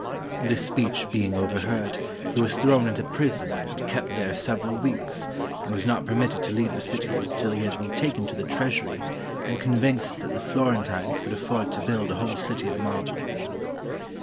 This speech be ing overheard, he was thrown into prison and kept there several weeks, and was not permitted to leave the city until he had been taken to the treasury and convinced that the Florentines could afford to build a whole city of marble.